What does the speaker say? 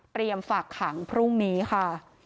เตรียมฝากขังพรุ่งนี้ค่ะ